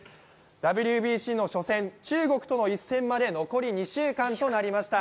ＷＢＣの初戦、中国との一戦まで残り２週間となりました。